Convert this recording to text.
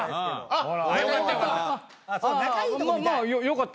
あっ！